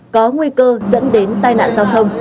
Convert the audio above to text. có nguy cơ dẫn đến tai nạn giao thông